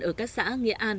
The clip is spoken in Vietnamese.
ở các xã nghệ an nhật bản